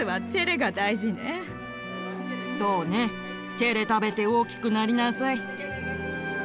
チェレ食べて大きくなりなさい。